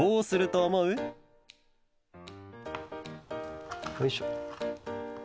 おいしょ。